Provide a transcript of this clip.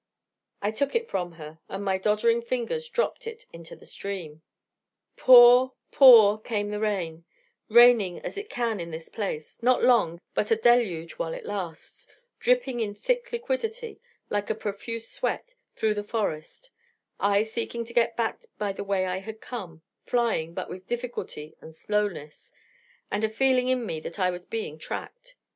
I took it from her, and my doddering fingers dropped it into the stream. Pour, pour came the rain, raining as it can in this place, not long, but a deluge while it lasts, dripping in thick liquidity, like a profuse sweat, through the forest, I seeking to get back by the way I had come, flying, but with difficulty and slowness, and a feeling in me that I was being tracked.